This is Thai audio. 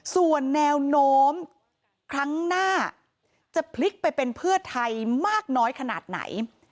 ส่วนแนวโน้มครั้งหน้าจะพลิกไปเป็นเพื่อไทยมากน้อยขนาดไหน